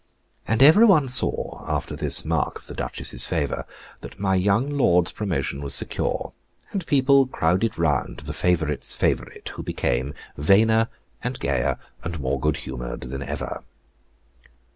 And everybody saw, after this mark of the Duchess's favor, that my young lord's promotion was secure, and people crowded round the favorite's favorite, who became vainer and gayer, and more good humored than ever.